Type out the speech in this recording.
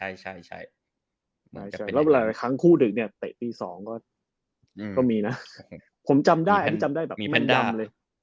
แล้วหลายครั้งคู่ดึกเตะปี๒ก็มีนะผมจำได้แบบแม่นยำเลย